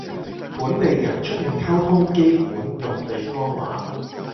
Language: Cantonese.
本地人出面溝通基本用地方話